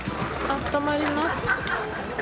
あったまります。